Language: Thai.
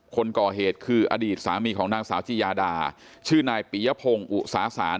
คนก่อเหตุคืออดีตสามีของนางสาวจียาดาชื่อนายปียพงศ์อุตสาศาล